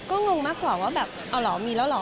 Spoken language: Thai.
ก็งงมากกว่าว่าแบบเอาเหรอมีแล้วเหรอ